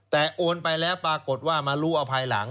แต่โอนไปแล้วปรากฏว่ามารู้เอาภายหลัง